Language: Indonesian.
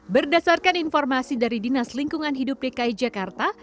berdasarkan informasi dari dinas lingkungan hidup dki jakarta